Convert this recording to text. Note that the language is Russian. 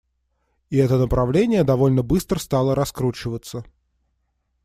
И это направление довольно быстро стало раскручиваться.